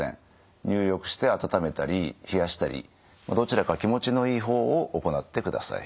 入浴して温めたり冷やしたりどちらか気持ちのいい方を行ってください。